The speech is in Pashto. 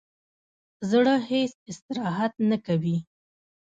زړه هیڅ استراحت نه کوي.